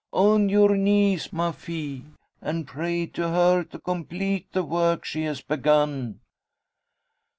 On your knees ma fille, and pray to her to complete the work she has begun!"